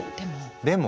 でも？